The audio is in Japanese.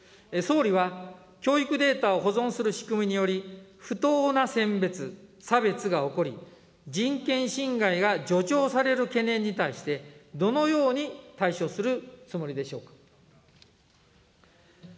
総理は、教育データを保存する仕組みにより、不当な選別・差別が起こり、人権侵害が助長される懸念に対して、どのように対処するつもりでしょうか。